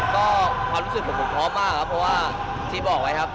ก็ความรู้สึกผมผมพร้อมมากครับเพราะว่าที่บอกไว้ครับ